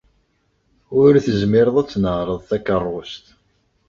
Ur tezmireḍ ad tnehṛeḍ takeṛṛust.